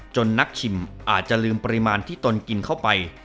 นักชิมอาจจะลืมปริมาณที่ตนกินเข้าไป